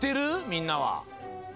みんなは。